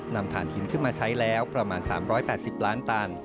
ฐานหินขึ้นมาใช้แล้วประมาณ๓๘๐ล้านตัน